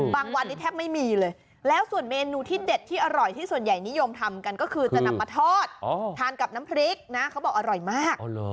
บางวันนี้แทบไม่มีเลยแล้วส่วนเมนูที่เด็ดที่อร่อยที่ส่วนใหญ่นิยมทำกันก็คือจะนำมาทอดทานกับน้ำพริกนะเขาบอกอร่อยมาก